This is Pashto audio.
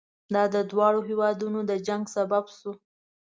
دا د دواړو هېوادونو د جنګ سبب شو.